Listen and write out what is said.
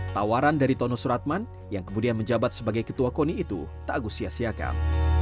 tawaran dari tonus suratman yang kemudian menjabat sebagai ketua koni itu tak usia siakan